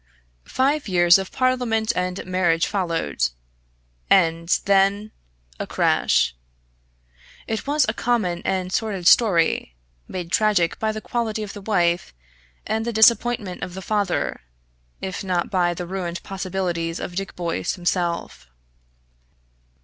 Five years of Parliament and marriage followed, and then a crash. It was a common and sordid story, made tragic by the quality of the wife, and the disappointment of the father, if not by the ruined possibilities of Dick Boyce himself.